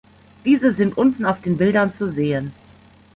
Diese sind unten auf den Bildern zu sehen.